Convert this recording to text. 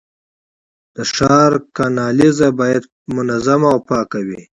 د ښار کانالیزه باید منظمه او پاکه وي.